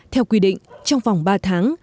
theo quy định trong vòng ba tháng